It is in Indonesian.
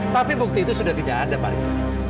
tapi bukti itu sudah tidak ada pak alex